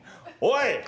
おい！